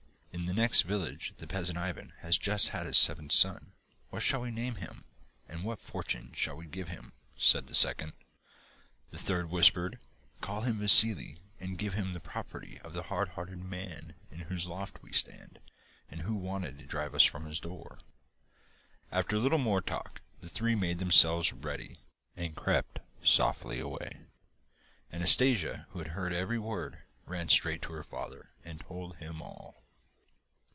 'In the next village the peasant Ivan has just had his seventh son. What shall we name him, and what fortune shall we give him?' said the second. The third whispered, 'Call him Vassili, and give him all the property of the hard hearted man in whose loft we stand, and who wanted to drive us from his door.' After a little more talk the three made themselves ready and crept softly away. Anastasia, who had heard every word, ran straight to her father, and told him all.